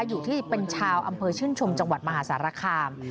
อยู่ที่เป็นชาวอำเภอชื่นชมจังหวัดมหาสารคาม